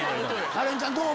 カレンちゃんどう？